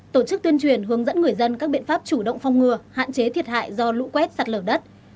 tổ chức tuyên truyền hướng dẫn người dân các biện pháp chủ động phong ngừa hạn chế thiệt hại do lũ quét sạt lở đất